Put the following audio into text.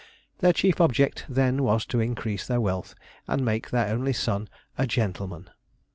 Their chief object then was to increase their wealth and make their only son 'a gentleman.'